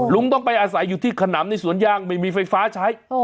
ลุงต้องไปอาศัยอยู่ที่ขนำในสวนยางไม่มีไฟฟ้าใช้